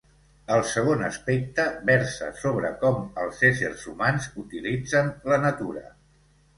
El segon aspecte, versa sobre com els éssers humans utilitzen la natura.